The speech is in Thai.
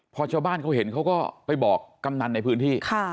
พอชาวบ้านเขาเห็นเขาก็ไปบอกกำนันในพื้นที่